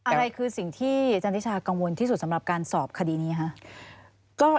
อะไรคือสิ่งที่อาจารย์นิชากังวลที่สุดสำหรับการสอบคดีนี้คะ